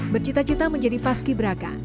bercita cita menjadi paski braka